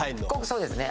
そうですね